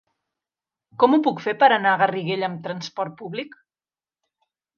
Com ho puc fer per anar a Garriguella amb trasport públic?